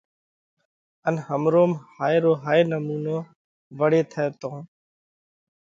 ان همروم هائي رو هائي نمُونو وۯي ٿئہ تو